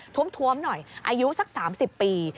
้วมหน่อยอายุสัก๓๐ปี